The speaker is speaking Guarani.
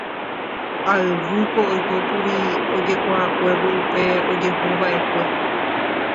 Ayvúko oikókuri ojekuaakuévo upe ojehuvaʼekue.